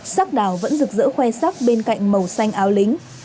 sắc đào vẫn rực rỡ khoe sắc bên cạnh màu xanh áo lính